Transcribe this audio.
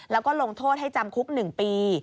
แล้วก็ลงโทษให้จำคุก๑ปี